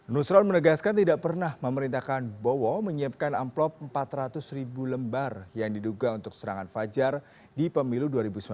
nusron menegaskan tidak pernah memerintahkan bowo menyiapkan amplop empat ratus ribu lembar yang diduga untuk serangan fajar di pemilu dua ribu sembilan belas